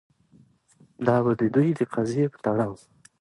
دا به د دوی د قضیې په تړاو